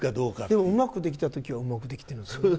でもうまくできた時はうまくできてるんですよね。